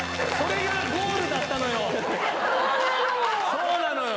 そうなの！